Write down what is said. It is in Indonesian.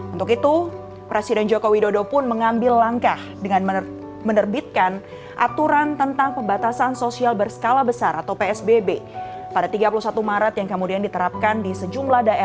untuk itu presiden joko widodo pun mengambil langkah dengan menerbitkan aturan tentang pembatasan sosial berskala besar atau psbb pada tiga puluh satu maret yang kemudian diterapkan di sejumlah daerah